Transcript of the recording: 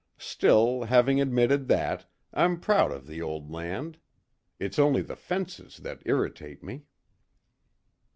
Still, having admitted that, I'm proud of the old land. It's only the fences that irritate me."